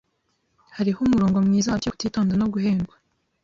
Hariho umurongo mwiza hagati yo kutitonda no guhendwa.